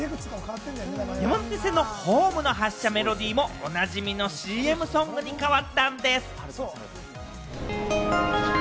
山手線のホームの発車メロディーもおなじみのＣＭソングに変わったんです。